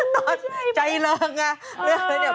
ตอนใจเลิกเนี่ย